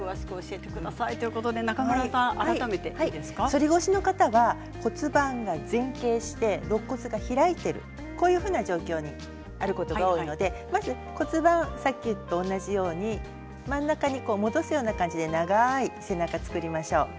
反り腰の方は骨盤が前傾してろっ骨が開いているこういうふうな状況にあることが多いのでまず骨盤、さっきと同じように真ん中に戻すような感じで長い背中を作りましょう。